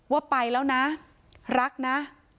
ว่าไปแล้วนะรักนะ